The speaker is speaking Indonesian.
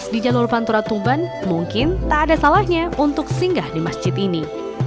di jalur pantura tuban mungkin tak ada salahnya untuk singgah di masjid ini